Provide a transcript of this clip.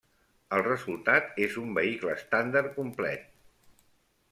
El resultat és un vehicle estàndard complet.